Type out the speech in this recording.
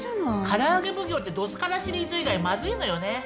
からあげ奉行ってどすからシリーズ以外まずいのよね。